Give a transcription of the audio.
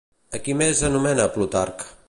A qui més anomena Plutarc?